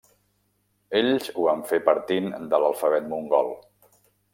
Ells ho van fer partint de l'alfabet mongol.